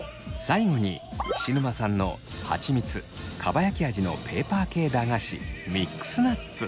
最後に菱沼さんのはちみつかばやき味のペーパー系駄菓子ミックスナッツ。